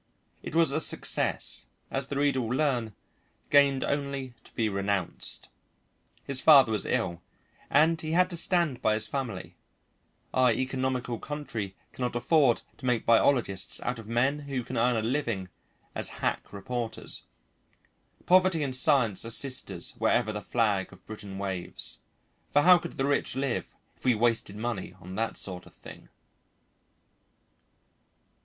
It was a success, as the reader will learn, gained only to be renounced. His father was ill and he had to stand by his family; our economical country cannot afford to make biologists out of men who can earn a living as hack reporters. Poverty and science are sisters wherever the flag of Britain waves; for how could the rich live if we wasted money on that sort of thing?